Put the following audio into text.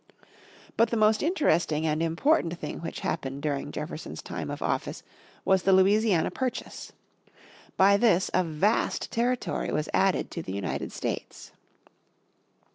But the most interesting and important thing which happened during Jefferson's time of office was the Louisiana Purchase in 1803. By this a vast territory was added to the United States.